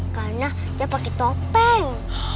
karena dia pake topeng